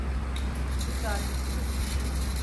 Bu tartışılır.